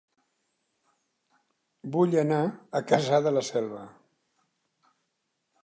Vull anar a Cassà de la Selva